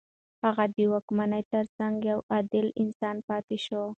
هغه د واکمنۍ تر څنګ يو عادل انسان پاتې شو.